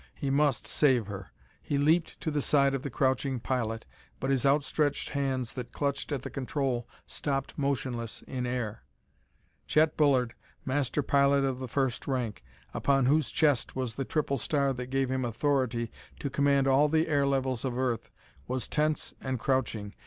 He must save her! He leaped to the side of the crouching pilot, but his outstretched hands that clutched at the control stopped motionless in air. Chet Bullard, master pilot of the first rank, upon whose chest was the triple star that gave him authority to command all the air levels of earth, was tense and crouching.